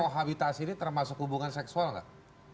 kohabitasi ini termasuk hubungan seksual nggak